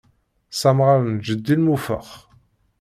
S amɣar n jeddi lmufeq.